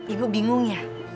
ibu bingung ya